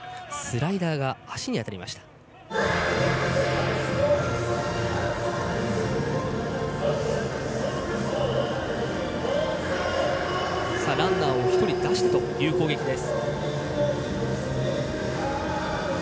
ランナーを１人出しての攻撃です。